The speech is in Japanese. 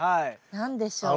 何でしょう？